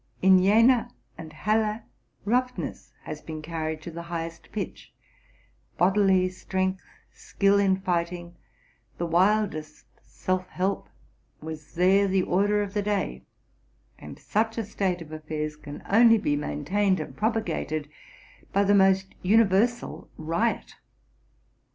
In Jena and Halle roughness had been carried to the highest pitch: bodily strength, skill in fighting, the wildest self help, was there the order of the day; and "such a state of affairs can only be maintained and propagated by the most universal riot.